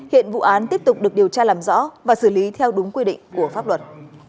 hiện vụ án tiếp tục được điều tra làm rõ và xử lý theo đúng quy định của pháp luật